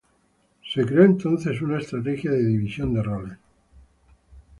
Se creó entonces una estrategia de división de roles.